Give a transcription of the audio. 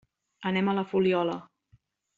Anem a la Fuliola.